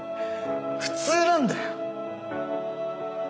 普通なんだよ。